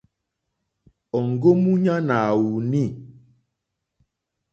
Òŋɡó múɲánà à wùùnî.